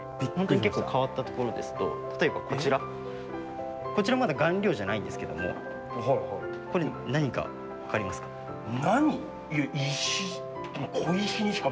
変わったところですと、例えばこちら、こちら、まだ顔料じゃないんですけれども、これ、何か分かりますか。